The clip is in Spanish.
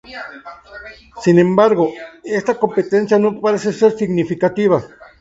Sin embargo, esta competencia no parece ser significativa.